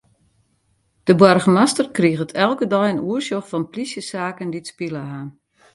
De boargemaster kriget elke dei in oersjoch fan plysjesaken dy't spile ha.